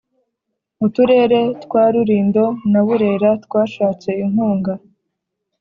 Uturere twa Rulindo na Burera twashatse inkunga